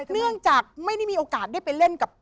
เนื่องจากไม่ได้มีโอกาสได้ไปเล่นกับ